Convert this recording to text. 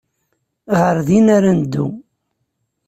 Ɣer din ara neddu.